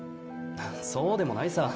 そうでもないさ。